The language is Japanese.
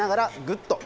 グッと。